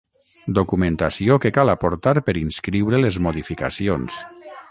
Documentació que cal aportar per inscriure les modificacions.